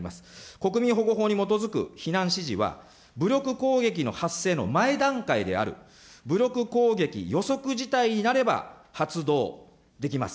国民保護法に基づく避難指示は、武力攻撃の発生の前段階である、武力攻撃予測事態になれば発動できます。